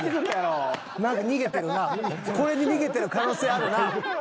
これに逃げてる可能性あるな。